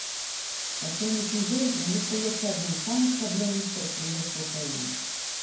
Па сённяшні дзень ён застаецца адным з самых праблемных прадпрыемстваў краіны.